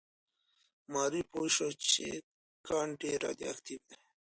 ماري پوه شوه چې کان ډېر راډیواکټیف دی.